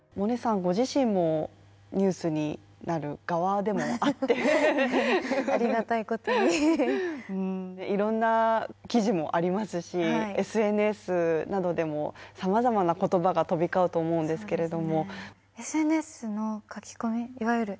ご自身もニュースになる側でもあっていろんな記事もありますし、ＳＮＳなどでもさまざまな言葉が飛び交うと思うんですけれども。